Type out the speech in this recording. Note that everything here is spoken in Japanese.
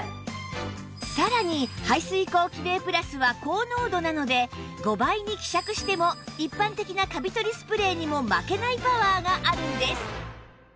さらに排水口キレイプラスは高濃度なので５倍に希釈しても一般的なカビ取りスプレーにも負けないパワーがあるんです